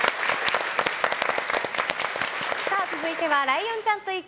続いてはライオンちゃんと行く！